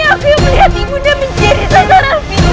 kau seperti siang sudah kusip strategi